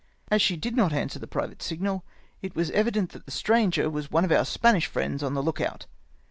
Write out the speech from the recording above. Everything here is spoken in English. As she did not answer the private signal, it was evident that the stranger was one of our Spanish friends on the look out.